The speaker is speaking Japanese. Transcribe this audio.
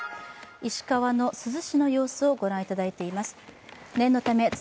石川の珠洲市の様子をご覧いただいています。